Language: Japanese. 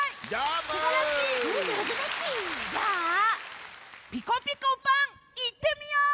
じゃあ「ピコピコパン！」いってみよう！